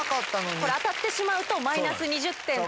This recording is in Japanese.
これ、当たってしまうとマイナス２０点と。